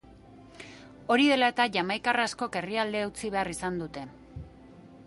Hori dela eta, jamaikar askok herrialdea utzi behar izan dute.